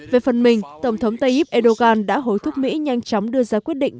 về phần mình tổng thống tayyip erdogan đã hối thúc mỹ nhanh chóng đưa ra quyết định